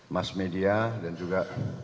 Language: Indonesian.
mas media dan juga